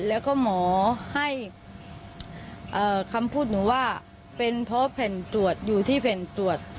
แล้วก็หมอให้คำพูดหนูว่าเป็นเพราะแผ่นตรวจอยู่ที่แผ่นตรวจ